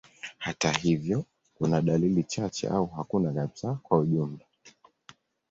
Hata hivyo, kuna dalili chache au hakuna kabisa kwa ujumla.